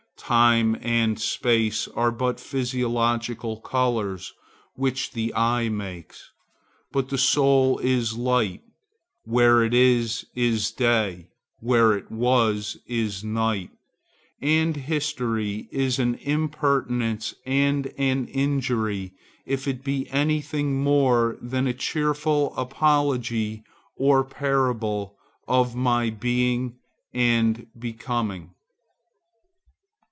Time and space are but physiological colors which the eye makes, but the soul is light: where it is, is day; where it was, is night; and history is an impertinence and an injury if it be any thing more than a cheerful apologue or parable of my being and becoming.